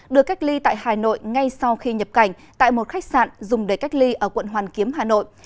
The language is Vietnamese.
được cách ly tại hà nội ngay sau khi nhập cảnh tại một khách sạn dùng để cách ly ở quận hoàn kiếm hà nội